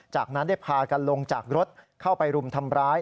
จากนั้นได้พากันลงจากรถเข้าไปรุมทำร้าย